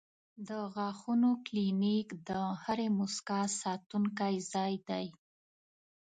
د غاښونو کلینک د هرې موسکا ساتونکی ځای دی.